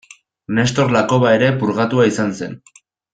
Nestor Lakoba ere purgatua izan zen.